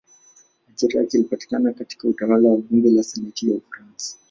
Ajira yake ilipatikana katika utawala wa bunge la senati ya Ufaransa.